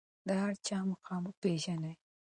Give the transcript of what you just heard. د هر چا مقام وپیژنئ.